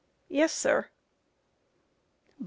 Yes, sir. By MR.